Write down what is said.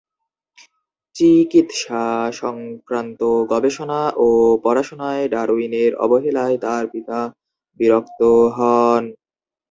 চিকিৎসা সংক্রান্ত গবেষণা ও পড়াশোনায় ডারউইনের অবহেলায় তার পিতা বিরক্ত হন।